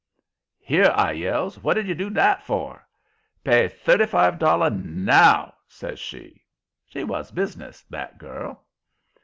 "Here!" I yells, "what did you do that for?" "Pay thirty five dolla NOW," says she. She was bus'ness, that girl.